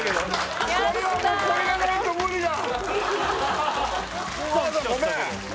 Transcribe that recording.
これはもうこれがないと無理だ